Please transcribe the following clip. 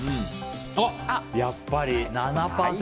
やっぱり７％。